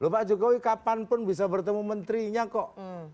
pak jokowi kapan pun bisa bertemu menterinya kok